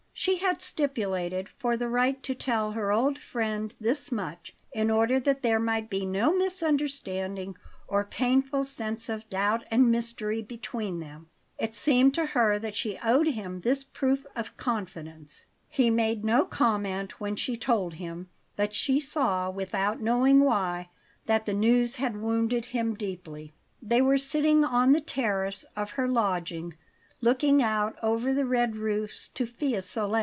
She had stipulated for the right to tell her old friend this much, in order that there might be no misunderstanding or painful sense of doubt and mystery between them. It seemed to her that she owed him this proof of confidence. He made no comment when she told him; but she saw, without knowing why, that the news had wounded him deeply. They were sitting on the terrace of her lodging, looking out over the red roofs to Fiesole.